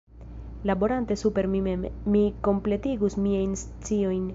Laborante super mi mem, mi kompletigus miajn sciojn.